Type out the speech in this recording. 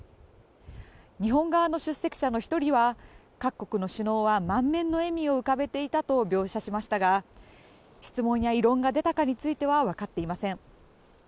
日本側の出席者の１人は各国の首脳は満面の笑みを浮かべていたと描写していましたが質問や異論が出たかについてはわかっていません。